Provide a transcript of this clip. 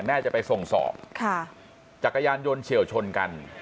แม่จะไปส่งสอบจักรยานยนต์เฉียวชนกัน